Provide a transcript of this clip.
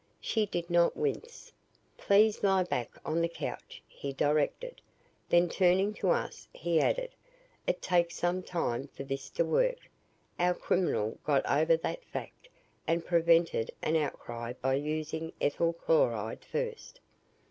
She did not wince. "Please lie back on the couch," he directed. Then turning to us he added, "It takes some time for this to work. Our criminal got over that fact and prevented an outcry by using ethyl chloride first.